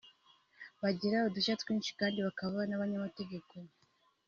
bagira udushya twinshi kandi bakaba n’abanyamategeko